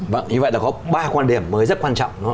vâng như vậy là có ba quan điểm mới rất quan trọng